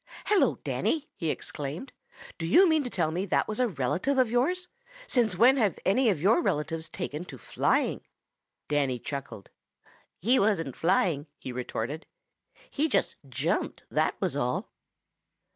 "Hello, Danny!" he exclaimed. "Do you mean to tell me that was a relative of yours? Since when have any of your relatives taken to flying?" Danny chuckled. "He wasn't flying," he retorted. "He just jumped, that was all."